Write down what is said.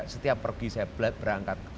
setiap pergi saya berangkat